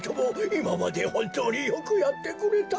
いままでほんとうによくやってくれた。